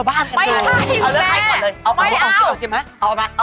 ไม่ใช่แม่